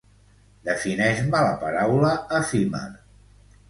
Defineix-me la paraula efímer.